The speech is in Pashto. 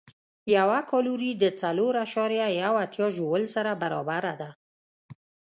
یوه کالوري د څلور اعشاریه یو اتیا ژول سره برابره ده.